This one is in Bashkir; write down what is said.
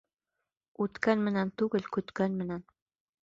Үткән менән түгел, көткән менән.